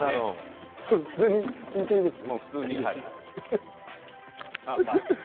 普通に引いていいですか？